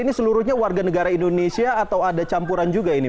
ini seluruhnya warga negara indonesia atau ada campuran juga ini